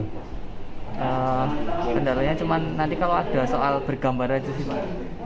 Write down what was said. kendalanya cuma nanti kalau ada soal bergambar aja sih pak